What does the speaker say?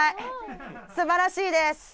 すばらしいです。